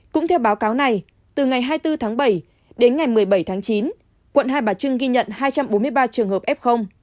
cũng theo báo cáo này từ ngày hai mươi bốn tháng bảy đến ngày một mươi bảy tháng chín quận hai bà trưng ghi nhận hai trăm bốn mươi ba trường hợp f